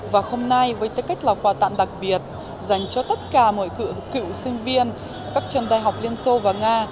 và hôm nay với tích cách là quả tạm đặc biệt dành cho tất cả mọi cựu sinh viên các trường đại học liên xô và nga